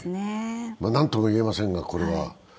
何とも言えませんが、これは。